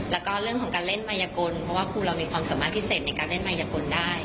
แล้วก็เรื่องของการเล่นมายกลเพราะว่าครูเรามีความสามารถพิเศษในการเล่นมายกลได้